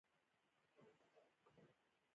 په دې ډول د انسانانو د شمېر ډېرېدو امکان رامنځته شو.